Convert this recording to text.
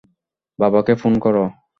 বাবাকে ফোন কর।